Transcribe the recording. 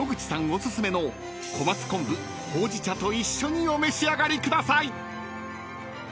お薦めの小松こんぶほうじ茶と一緒にお召し上がりください］